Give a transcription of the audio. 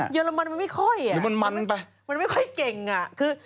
เยอรมันมันไม่ค่อยอ่ะมันไม่ค่อยเก่งอ่ะคือ